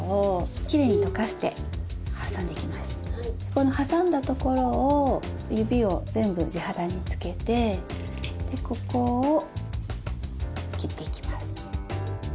この挟んだところを指を全部地肌につけてここを切っていきます。